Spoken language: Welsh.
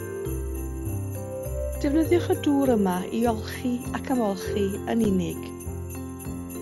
Defnyddiwch y dŵr yma i olchi ac ymolchi yn unig